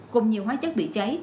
cùng nhiều hóa chất bị cháy